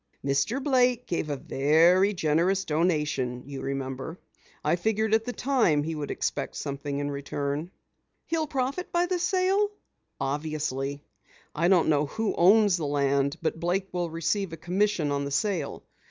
"Mr. Blake gave a very generous donation, you remember. I figured at the time he would expect something in return." "He'll profit by the sale?" "Obviously. I don't know who owns the land, but Blake will receive a commission on the sale.